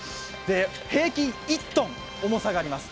平均１ｔ重さがあります。